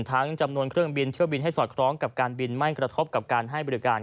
จำนวนเครื่องบินเที่ยวบินให้สอดคล้องกับการบินไม่กระทบกับการให้บริการ